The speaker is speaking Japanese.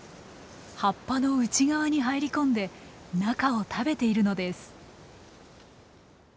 葉っぱの内側に入り込んで中を食べているのです。